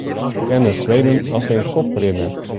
We kenne Sweden as in koprinner.